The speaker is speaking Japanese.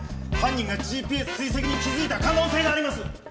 犯人がＧＰＳ追跡に気づいた可能性があります！